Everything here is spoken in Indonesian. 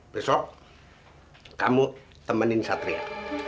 besok kamu temenin satria